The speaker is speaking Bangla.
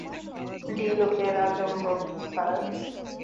Deal okay, Rajangam sir.